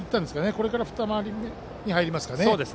これから二回り目に入りますかね。